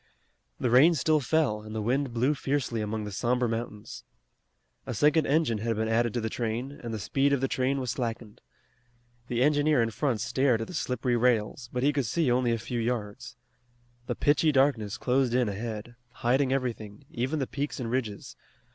The rain still fell and the wind blew fiercely among the somber mountains. A second engine had been added to the train, and the speed of the train was slackened. The engineer in front stared at the slippery rails, but he could see only a few yards. The pitchy darkness closed in ahead, hiding everything, even the peaks and ridges.